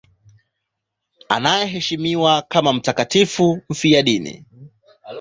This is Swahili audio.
Anaheshimiwa kama mtakatifu mfiadini.